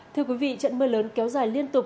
thưa quý vị trận mưa lớn kéo dài liên tục